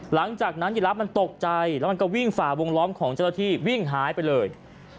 หลังจากนั้นยีรับมันตกใจแล้วมันก็วิ่งฝ่าวงล้อมของเจ้าหน้าที่วิ่งหายไปเลย